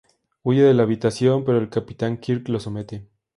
Huye de la habitación, pero el capitán Kirk lo somete.